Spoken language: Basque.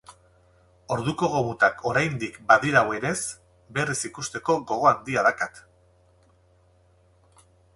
Orduko gomutak oraindik badirauenez, berriz ikusteko gogo handia daukat.